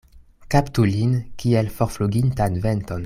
Kaptu lin kiel forflugintan venton.